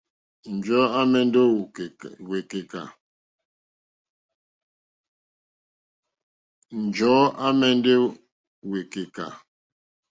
Njɔ̀ɔ́ à mɛ̀ndɛ́ wékàkà.